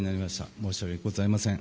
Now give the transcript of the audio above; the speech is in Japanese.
申し訳ございません。